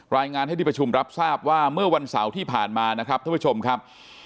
รายงานให้ที่ประชุมรับทราบว่าเมื่อวันเสาร์ที่ผ่านมานะครับท่านผู้ชมครับ